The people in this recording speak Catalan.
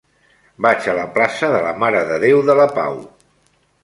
Vaig a la plaça de la Mare de Déu de la Pau.